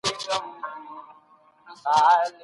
د هغوی له تجربو څخه عبرت واخلئ.